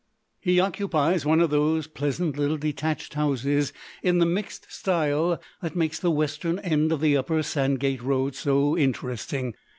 He occupies one of those pleasant little detached houses in the mixed style that make the western end of the Upper Sandgate Road so interesting.